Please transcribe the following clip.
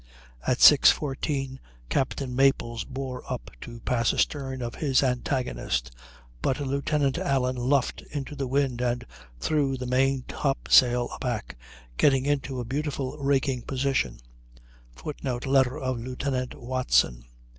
At 6.14 Captain Maples bore up to pass astern of his antagonist, but Lieutenant Allen luffed into the wind and threw the main top sail aback, getting into a beautiful raking position [Footnote: Letter of Lieutenant Watson.